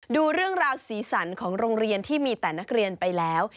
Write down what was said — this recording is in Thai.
ดูเรื่องราวสีสันของโรงเรียนที่มีแต่นักเรียนไปแล้ว